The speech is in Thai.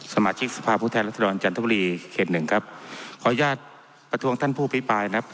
สมาชิกสภาพผู้แทนรัศดรจันทบุรีเขตหนึ่งครับขออนุญาตประท้วงท่านผู้พิปรายนะครับ